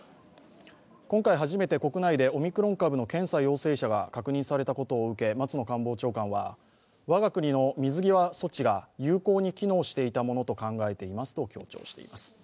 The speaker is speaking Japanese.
今回初めて国内でオミクロン株の検査陽性者が確認されたことを受け松野官房長官は、わが国の水際措置が有効に機能していたものと考えていますと強調しています。